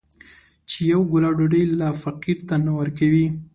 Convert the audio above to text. چې يوه ګوله ډوډۍ لا فقير ته نه ورکوي.